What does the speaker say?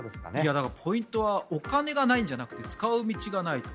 だからポイントはお金がないんじゃなくて使う道がない。